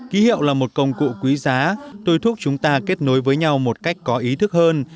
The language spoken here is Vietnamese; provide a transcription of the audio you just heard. ký hiệu là một công cụ quý giá tôi thúc chúng ta kết nối với nhau một cách có ý thức hơn